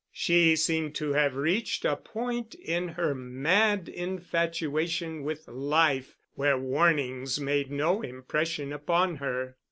She seemed to have reached a point in her mad infatuation with life where warnings made no impression upon her.